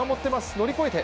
乗り越えて！